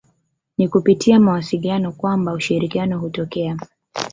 Ni kupitia mawasiliano kwamba ushirikiano hutokea.